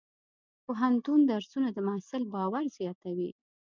د پوهنتون درسونه د محصل باور زیاتوي.